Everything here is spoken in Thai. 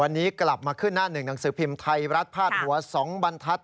วันนี้กลับมาขึ้นหน้าหนึ่งหนังสือพิมพ์ไทยรัฐพาดหัว๒บรรทัศน